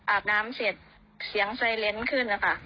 อาบน้ำเสร็จเสียงไซเลนส์ขึ้นนะคะ